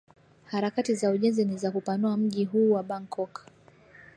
harakati za ujenzi ni za kupanua mji huu wa bangkok